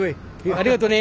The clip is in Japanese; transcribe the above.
ありがとね。